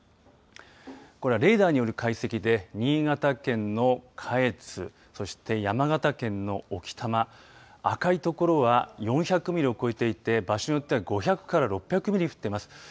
これはレーダーによる解析で新潟県の下越そして山形県の置賜赤い所は４００ミリを超えていて場所によっては５００から６００ミリ降っています。